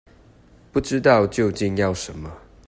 不知道究竟要什麼